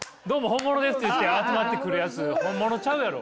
本物です」って言って集まってくるやつ本物ちゃうやろ。